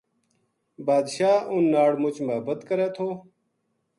بادشاہ اُنھ ناڑ مچ محبت کرے تھو